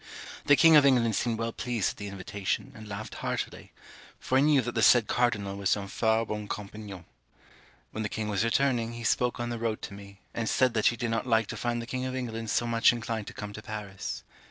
The king of England seemed well pleased at the invitation, and laughed heartily; for he knew that the said cardinal was un fort bon compagnon. When the king was returning, he spoke on the road to me; and said that he did not like to find the king of England so much inclined to come to Paris.